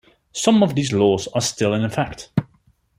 Some of these laws are still in effect.